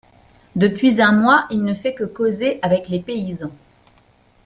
Depuis un mois il ne fait que causer avec les paysans…